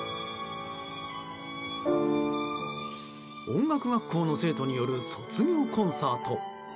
音楽学校の生徒による卒業コンサート。